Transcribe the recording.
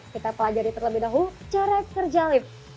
kita pelajari terlebih dahulu cara kerja lift